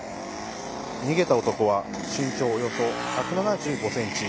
逃げた男は身長およそ１７５センチ